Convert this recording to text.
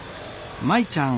舞ちゃん